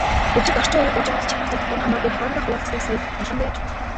Бүжиг, орчин үеийн хөгжимд чадах чадахгүй нь хамаагүй хоорондоо хуваалцдаг соёл ялангуяа чухал.